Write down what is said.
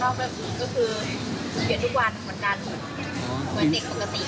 เปลี่ยนทุกวันเหมือนดัน